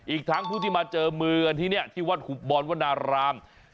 อีกทั้งผู้ที่มาเจอมือกันที่นี่ที่วัดหุบบรวนาราม